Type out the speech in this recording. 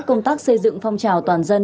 công tác xây dựng phong trào toàn dân